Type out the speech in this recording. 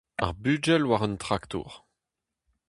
Ar bugel war un traktor.